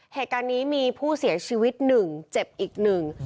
เหตุการณ์นี้มีผู้เสียชีวิตหนึ่งเจ็บอีกหนึ่ง